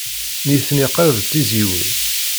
Nitni qrib d tizzyiwin.